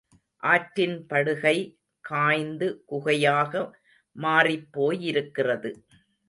ஆற்றின் படுகை காய்ந்து, குகையாக மாறிப் போயிருக்கிறது.